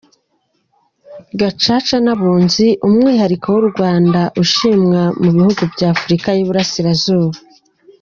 Gacaca n’Abunzi umwihariko w’u Rwanda ushimwa mu bihugu by’Afurika y’Iburasirazuba